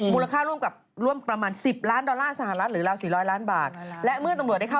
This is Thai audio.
มูลค่าร่วมประมาณ๑๐ล้านโดลาสหรือ